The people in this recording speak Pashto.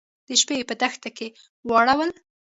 د شپې يې په دښته کې واړول.